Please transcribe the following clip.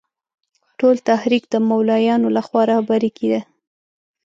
ټول تحریک د مولویانو له خوا رهبري کېده.